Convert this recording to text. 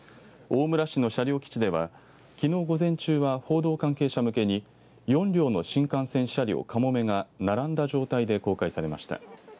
大村市の車両基地ではきのう午前中は報道関係者向けに４両の新幹線車両かもめが並んだ状態で公開されました。